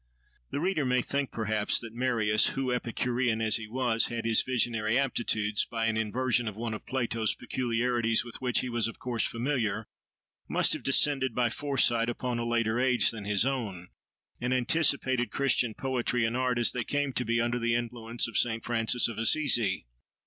The reader may think perhaps, that Marius, who, Epicurean as he was, had his visionary aptitudes, by an inversion of one of Plato's peculiarities with which he was of course familiar, must have descended, by foresight, upon a later age than his own, and anticipated Christian poetry and art as they came to be under the influence of Saint Francis of Assisi.